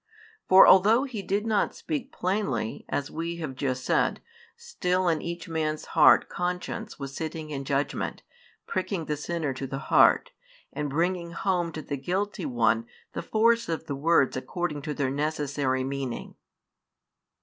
For although He did not speak plainly, as we have just said, still in each man's heart conscience was sitting in judgment, pricking the sinner to the heart, and bringing home to the guilty one the force of the words according to their necessary meaning.